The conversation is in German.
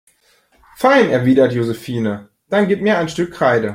Fein, erwidert Josephine, dann gib mir ein Stück Kreide.